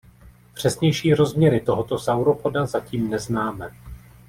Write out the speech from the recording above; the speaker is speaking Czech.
Přesnější rozměry tohoto sauropoda zatím neznáme.